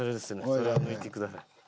それを抜いてください。